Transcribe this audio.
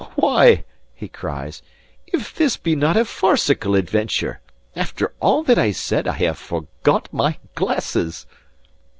"Why," he cries, "if this be not a farcical adventure! After all that I said, I have forgot my glasses!"